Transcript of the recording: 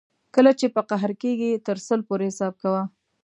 کله چې په قهر کېږې تر سل پورې حساب کوه.